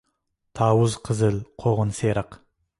تاۋۇز قىزىل قوغۇن سېرىق